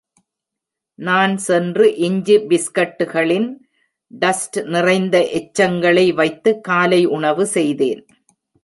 நான் சென்று, இஞ்சி பிஸ்கட்டுகளின் டஸ்ட் நிறைந்த எச்சங்களை வைத்து காலை உணவு செய்தேன்.